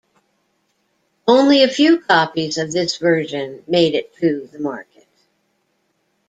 Only a few copies of this version made it to the market.